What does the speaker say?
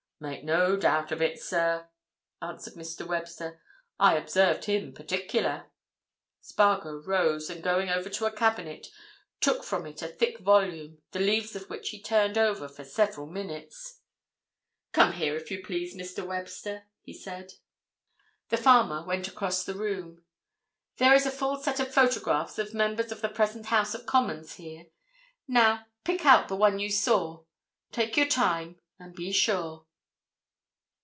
"Make no doubt of it, sir," answered Mr. Webster. "I observed him particular." Spargo rose, and going over to a cabinet, took from it a thick volume, the leaves of which he turned over for several minutes. "Come here, if you please, Mr. Webster," he said. The farmer went across the room. "There is a full set of photographs of members of the present House of Commons here," said Spargo. "Now, pick out the one you saw. Take your time—and be sure."